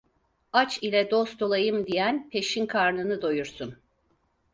Aç ile dost olayım diyen peşin karnını doyursun.